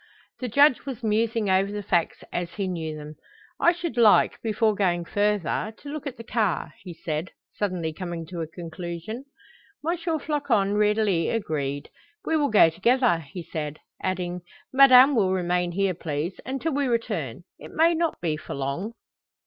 The Judge was musing over the facts as he knew them. "I should like, before going further, to look at the car," he said, suddenly coming to a conclusion. M. Floçon readily agreed. "We will go together," he said, adding, "Madame will remain here, please, until we return. It may not be for long."